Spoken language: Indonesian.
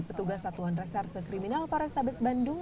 petugas satuan reserse kriminal polrestabes bandung